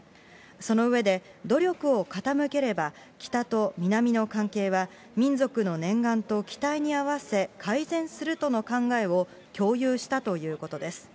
その上で、努力を傾ければ北と南の関係は民族の念願と期待に合わせ、改善するとの考えを共有したということです。